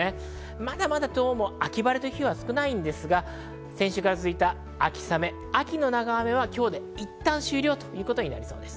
まだまだ秋晴れの日は少ないんですが、先週から続いた秋の長雨は今日でいったん終了となりそうです。